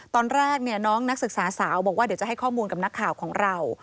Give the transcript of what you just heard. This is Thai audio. ตอนแรกน้องนักศึกษาสาวบอกว่าเดี๋ยวจะให้ข้อมูลกับนักข่าวของเรา